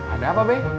ada apa be